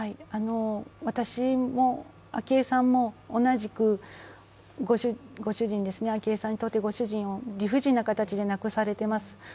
私も昭恵さんも同じく、昭恵さんにとってご主人を理不尽な形で亡くされています。